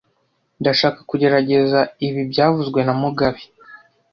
Ndashaka kugerageza ibi byavuzwe na mugabe